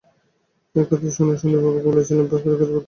এই কথা শুনে আমরা সন্দীপবাবুকে বলেছিলুম, চক্রবর্তীকে আমরা বয়কট করব।